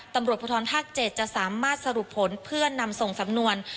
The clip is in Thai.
ตำรวจภูทรภาค๗จะสามารถสรุปผลเพื่อนำส่งสำนวน